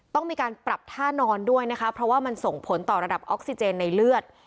ต้องมีการปรับท่านอนด้วยนะคะเพราะว่ามันส่งผลต่อระดับออกซิเจนในเลือด